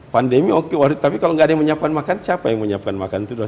pandemi oke tapi kalau tidak ada yang menyiapkan makan siapa yang menyiapkan makan